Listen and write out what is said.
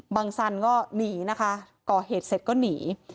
สันก็หนีนะคะก่อเหตุเสร็จก็หนี